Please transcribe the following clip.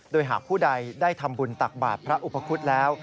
โดยหากผู้ใดได้ทำบุญตักบาทพระอุปคุฎแล้ว